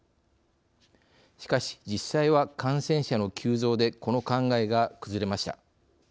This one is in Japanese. しかし実際は感染者の急増でこの考えが崩れました。